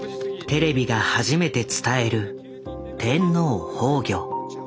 テレビが初めて伝える天皇崩御。